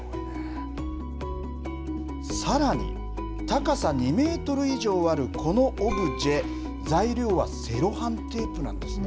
さらに高さ２メートル以上あるこのオブジェ材料はセロハンテープなんですって。